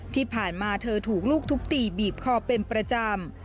ที่ผ่านมาเธอถูกลูกทุบตีบีบคอเป็นประจำ